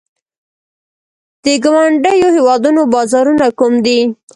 د ګاونډیو هیوادونو بازارونه کوم دي؟